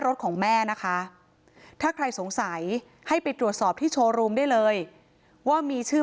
รถของแม่นะคะถ้าใครสงสัยให้ไปตรวจสอบที่โชว์รูมได้เลยว่ามีชื่อ